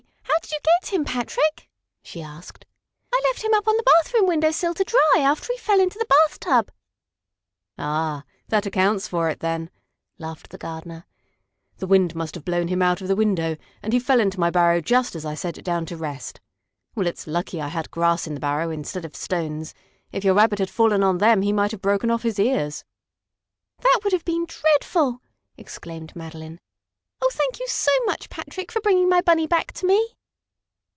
How did you get him, Patrick?" she asked. "I left him up on the bathroom window sill to dry, after he fell into the bathtub." "Ah, that accounts for it then!" laughed the gardener. "The wind must have blown him out of the window, and he fell into my barrow just as I set it down to rest. Well, it's lucky I had grass in the barrow instead of stones. If your rabbit had fallen on them he might have broken off his ears." "That would have been dreadful!" exclaimed Madeline. "Oh, thank you, so much, Patrick, for bringing my Bunny back to me."